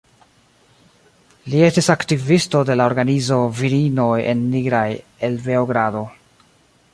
Li estis aktivisto de la organizo Virinoj en Nigraj el Beogrado.